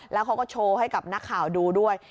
แล้วเขาก็โชว์ให้กับนักข่าวดูด้วย